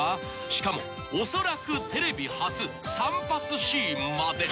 ［しかもおそらくテレビ初散髪シーンまで］